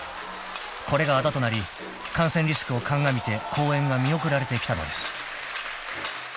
［これがあだとなり感染リスクを鑑みて公演が見送られてきたのです］